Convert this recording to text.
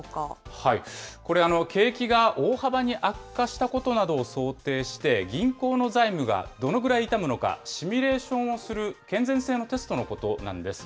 これ、景気が大幅に悪化したことなどを想定して、銀行の財務がどのぐらい痛むのか、シミュレーションをする、健全性のテストのことなんです。